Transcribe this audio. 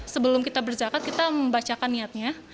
sebelum kita berzakat kita membacakan niatnya